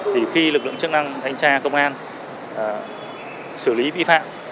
thì khi lực lượng chức năng anh cha công an xử lý vi phạm